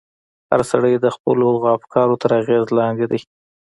هر سړی د خپلو هغو افکارو تر اغېز لاندې دی.